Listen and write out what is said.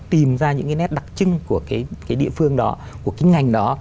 tìm ra những cái nét đặc trưng của cái địa phương đó của cái ngành đó